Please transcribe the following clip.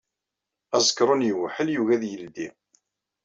Aẓekṛun yewḥel yugi ad yeldi.